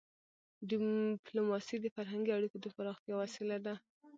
ډيپلوماسي د فرهنګي اړیکو د پراختیا وسیله ده.